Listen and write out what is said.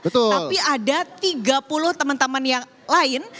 tapi ada tiga puluh teman teman yang lain